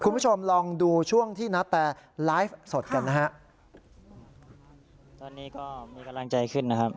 คุณผู้ชมลองดูช่วงที่นาแตไลฟ์สดกันนะฮะตอนนี้ก็มีกำลังใจขึ้นนะครับ